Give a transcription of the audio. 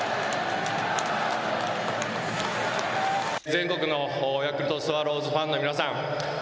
全国のヤクルトスワローズファンの皆さん